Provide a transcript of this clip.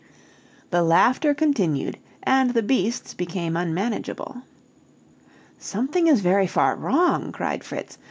The laughter continued, and the beasts became unmanageable. "Something is very far wrong!" cried Fritz.